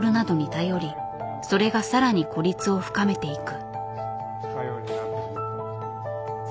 それがさらに孤立を深めていく。